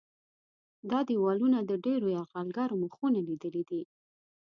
دا دیوالونه د ډېرو یرغلګرو مخونه لیدلي دي.